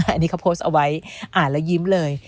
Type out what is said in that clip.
อันนี้เขาโพสต์เอาไว้อ่านแล้วยิ้มเลย